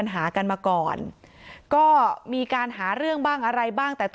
จนใดเจ้าของร้านเบียร์ยิงใส่หลายนัดเลยค่ะ